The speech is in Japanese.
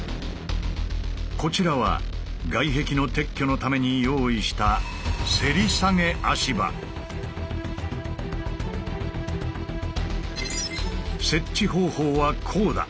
こちらは外壁の撤去のために用意した設置方法はこうだ！